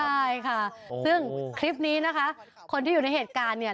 ใช่ค่ะซึ่งคลิปนี้นะคะคนที่อยู่ในเหตุการณ์เนี่ย